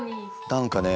何かね